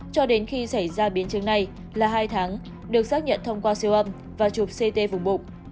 cho đến khi xảy ra biến chứng này là hai tháng được xác nhận thông qua siêu âm và chụp ct vùng bụng